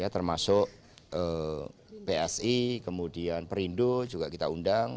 termasuk psi kemudian perindo juga kita undang